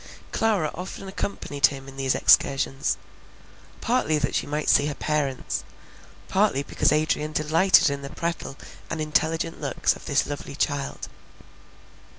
Clara often accompanied him in these excursions; partly that she might see her parents, partly because Adrian delighted in the prattle, and intelligent looks of this lovely child.